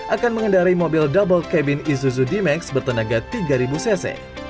akan mengendari mobil double cabin isuzu d max bertenaga tiga ribu cc